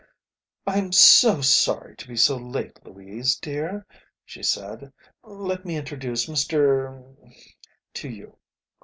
"I'm so sorry to be so late, Louise, dear," she said. "Let me introduce Mr. to you."